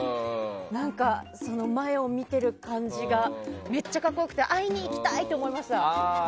何か、前を見ている感じがめっちゃ格好良くて会いに行きたい！って思いました。